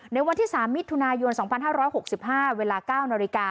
ในวันที่๓มิถุนายน๒๕๖๕เวลา๙นาฬิกา